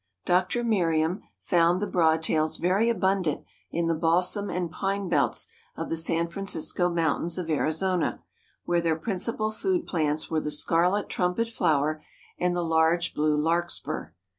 Dr. Merriam found the Broad tails very abundant in the balsam and pine belts of the San Francisco Mountains of Arizona, where their principal food plants were the scarlet trumpet flower and the large blue larkspur.